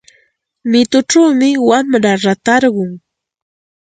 Mituchawmi wamra ratarqun.